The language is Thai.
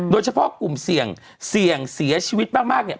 โดยเฉพาะกลุ่มเสี่ยงเสี่ยงเสียชีวิตมากเนี่ย